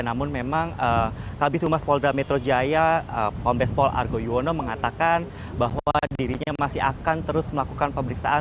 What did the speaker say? namun memang kabis humas polda metro jaya kombespol argo yuwono mengatakan bahwa dirinya masih akan terus melakukan pemeriksaan